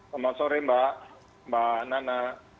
selamat sore mbak mbak nana